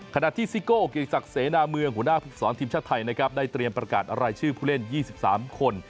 ขณะที่ซิโกโอกิสักเสนาเมืองหัวหน้าผู้สอนทีมชาติไทยนะครับได้เตรียมประกาศรายชื่อผู้เล่น๒๓คน